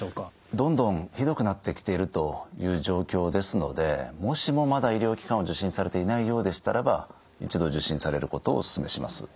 どんどんひどくなってきているという状況ですのでもしもまだ医療機関を受診されていないようでしたらば一度受診されることをおすすめします。